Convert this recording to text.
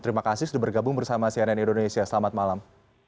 terima kasih sudah bergabung bersama cnn indonesia selamat malam